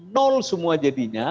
nol semua jadinya